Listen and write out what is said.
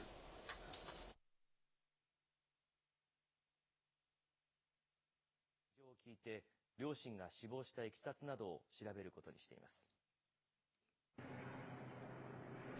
警視庁は今後、猿之助さんから事情を聴いて、両親が死亡したいきさつなどを調べることにしています。